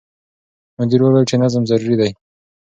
مدیر وویل چې نظم ضروري دی.